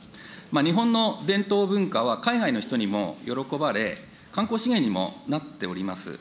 日本の伝統文化は海外の人にも喜ばれ、観光資源にもなっております。